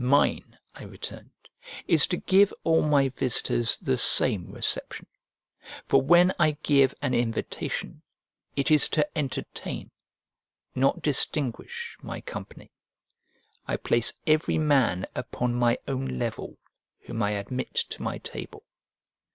"Mine," I returned, "is to give all my visitors the same reception; for when I give an invitation, it is to entertain, not distinguish, my company: I place every man upon my own level whom I admit to my table."